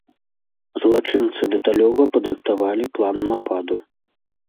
Злачынцы дэталёва падрыхтавалі план нападу.